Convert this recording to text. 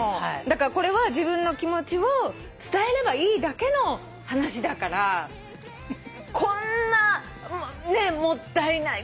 だからこれは自分の気持ちを伝えればいいだけの話だから。こんなもったいない。